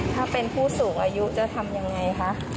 ถ้าเป็นผู้สูงอายุจะทำยังไงคะ